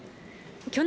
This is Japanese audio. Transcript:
去年、